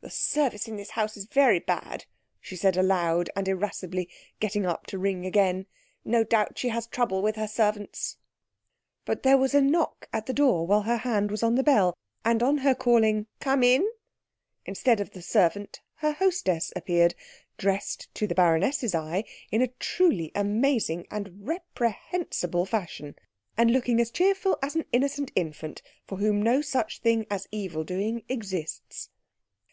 "The service in this house is very bad," she said aloud and irascibly, getting up to ring again. "No doubt she has trouble with her servants." But there was a knock at the door while her hand was on the bell, and on her calling "Come in," instead of the servant her hostess appeared, dressed to the baroness's eye in a truly amazing and reprehensible fashion, and looking as cheerful as an innocent infant for whom no such thing as evil doing exists.